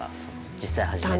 実際始めて。